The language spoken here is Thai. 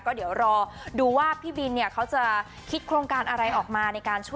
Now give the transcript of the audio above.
ก็เดี๋ยวรอดูว่าพี่บินเนี่ยเขาจะคิดโครงการอะไรออกมาในการช่วย